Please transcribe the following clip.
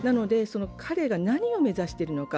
彼が何を目指しているのか。